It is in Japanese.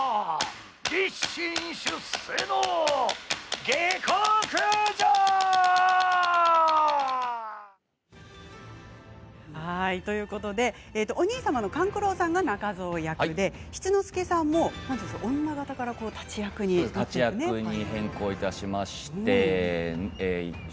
立身出世の下克上！ということでお兄様の勘九郎さんが仲蔵役で七之助さんも女形から立役になっていく役ですね。